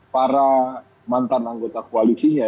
para mantan anggota koalisinya